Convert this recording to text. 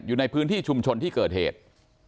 อยู่ในพื้นที่ชุมชนที่เกิดเหตุ